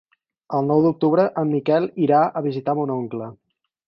El nou d'octubre en Miquel irà a visitar mon oncle.